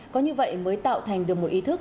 có như vậy mới tạo thành được một ý thức